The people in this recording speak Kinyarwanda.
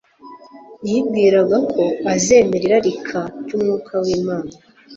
yibwiraga ko azemera irarika ry'Umwuka w'Imana.